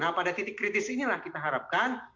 nah pada titik kritis inilah kita harapkan